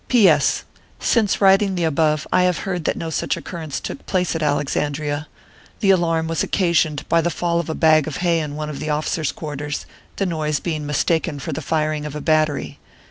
P. S. Since writing the above, I have heard that no such occurrence took place at Alexandria. The alarm was occasioned by the fall of a bag of hay in one of the officers quarters, the noise being mistaken for the firing of a battery.